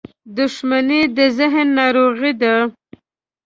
• دښمني د ذهن ناروغي ده.